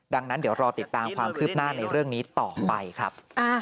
ดังนั้นเดี๋ยวรอติดตามความคืบหน้าในเรื่องนี้ต่อไปครับ